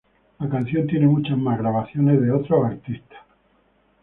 La canción tiene muchas más grabaciones de otros artistas.